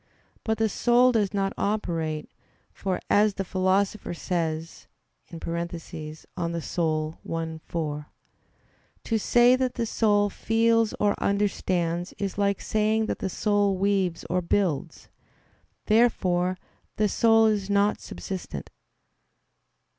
But the soul does not operate; for, as the Philosopher says (De Anima i, 4), "to say that the soul feels or understands is like saying that the soul weaves or builds." Therefore the soul is not subsistent.